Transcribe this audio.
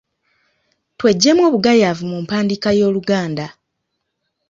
Tweggyemu obugayaavu mu mpandiika y’Oluganda.